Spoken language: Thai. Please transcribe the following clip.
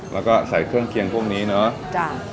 แล้วก็ใส่เครื่องเคียงพวกนี้เนอะ